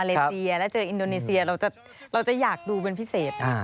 เราจะอยากดูเป็นพิเศษ